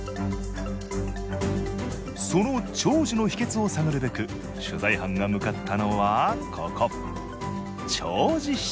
その長寿の秘けつを探るべく取材班が向かったのはここ調餌室。